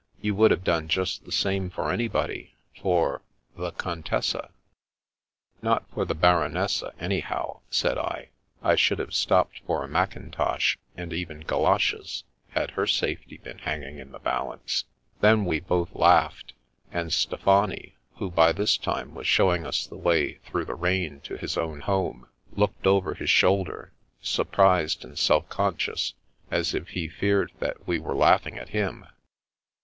You would have done just the same for anybody. For — ^the Contessa "" Not for the Baronessa, anyhow," said I, " I should have stopped for a mackintosh and even goloshes, had her safety been hanging in the bal ance." Then we both laughed, and Stefani, who by this time was showing us the way through the rain to his own home, looked over his shoulder, surprised and self conscious, as if he feared that we were laughing at him.